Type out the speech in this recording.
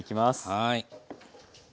はい。